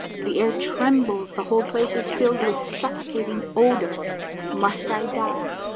The air trembles ; th^ whole place is filled with suffocating odor. Must I die